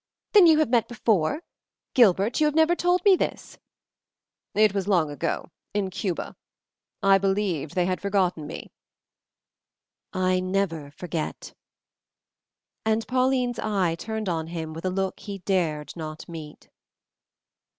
"Then you have met before? Gilbert, you have never told me this." "It was long ago in Cuba. I believed they had forgotten me." "I never forget." And Pauline's eye turned on him with a look he dared not meet.